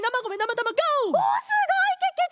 おおすごいけけちゃま！